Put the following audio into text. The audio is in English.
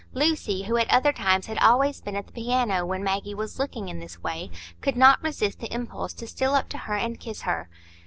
Lucy, who at other times had always been at the piano when Maggie was looking in this way, could not resist the impulse to steal up to her and kiss her.